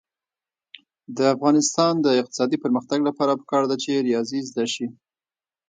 د افغانستان د اقتصادي پرمختګ لپاره پکار ده چې ریاضي زده شي.